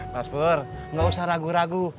mas pur gak usah ragu ragu